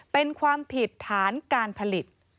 เป็นความผิดฐานการผลิต